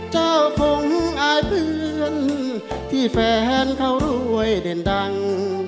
คงอายเพื่อนที่แฟนเขารวยเด่นดัง